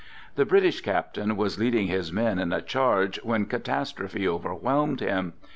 The British captain was leading his men in a charge when catastrophe overwhelmed him.